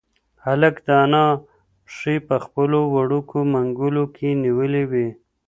هلک د انا پښې په خپلو وړوکو منگولو کې نیولې وې.